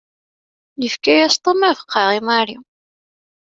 Yefka-yas Tom abeqqa i Mary.